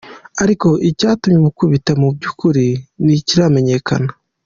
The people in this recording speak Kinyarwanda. Ariko icyatumye amukubita mu by’ukuri ntikiramenyekana.